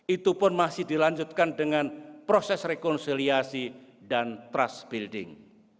itu pun masih dilanjutkan dengan proses rekonsiliasi dan trust building